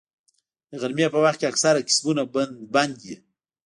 د غرمې په وخت کې اکثره کسبونه بنده وي